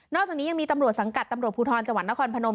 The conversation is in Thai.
นอกจากนี้ยังมีตำรวจสังกัดตำรวจภูทรจภภนม